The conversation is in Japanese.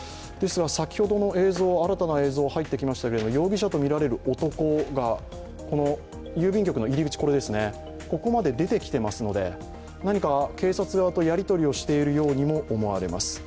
先ほどの映像、新たな映像は入ってきましたが容疑者とみられる男が郵便局の入り口、ここまで出てきてますので、何か警察側とやり取りをしているようにも思えます。